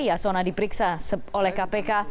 yasona diperiksa oleh kpk